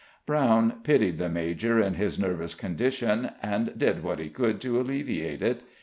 Brown pitied the major in his nervous condition and did what he could to alleviate it.